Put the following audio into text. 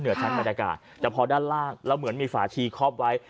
เหนือชั้นแม่รายการแต่พอด้านล่างแล้วเหมือนมีฝาชีคลอปไว้